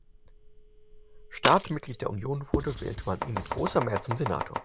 Staat Mitglied der Union wurde, wählte man ihn mit großer Mehrheit zum Senator.